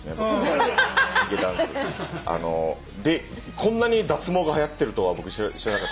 こんなに脱毛がはやってるとは僕知らなかった。